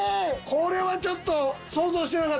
これはちょっと想像してなかった。